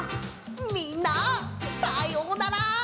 みんなさようなら。